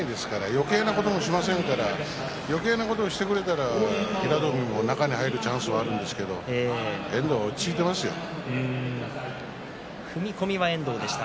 よけいなことしませんからよけいなことしてくれたら平戸海は中に入るチャンスはあるんですけど踏み込みは遠藤でした。